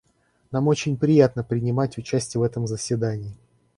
Нам очень приятно принимать участие в этом заседании.